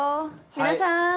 皆さん！